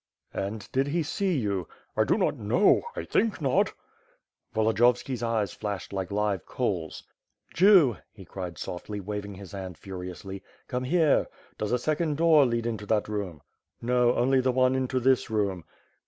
"And did he see you?" "I do not know. I think not." Volodiyovski's eyes flashed like live coals. "Jew," he cried softly, waving his hand furiously, ''come here. Does a second door lead into that room." 'Tfo, only the one into this room."